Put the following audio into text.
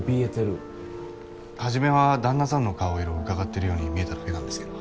初めは旦那さんの顔色を窺ってるように見えただけなんですけど。